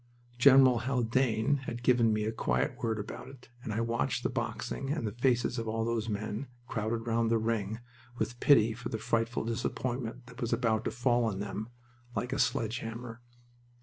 General Haldane had given me a quiet word about it, and I watched the boxing, and the faces of all those men, crowded round the ring, with pity for the frightful disappointment that was about to fall on them, like a sledge hammer.